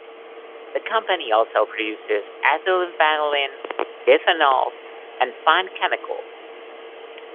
The company also produces ethyl vanillin, diphenols and fine chemicals.